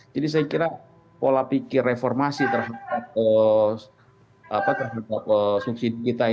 jadi saya kira pola pikir reformasi terhadap subsidi kita ini